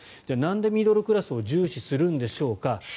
じゃあ、なんでミドルクラスを重視するんでしょうか。